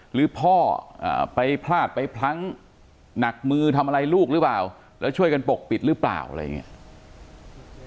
หรือพ่อไปพลาดไปพลั้งหนักมือทำอะไรลูกหรือเปล่าแล้วช่วยกันปกปิดหรือเปล่าอะไรอย่างนี้